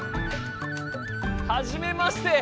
はじめまして！